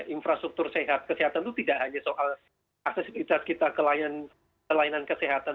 infrastruktur sehat kesehatan itu tidak hanya soal aksesibilitas kita ke layanan kesehatan